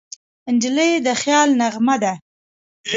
نجلۍ د خیال نغمه ده.